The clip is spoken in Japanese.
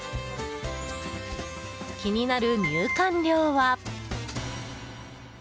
気になる入館料は。